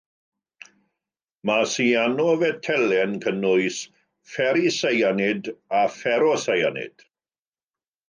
Mae syanofetalau'n cynnwys fferiseianid a fferoseianid.